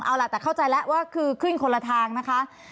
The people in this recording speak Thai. เอาล่ะแต่เข้าใจแล้วว่าคือขึ้นคนละทางนะคะ